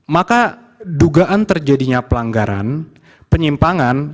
maka dugaan terjadinya pelanggaran penyimpangan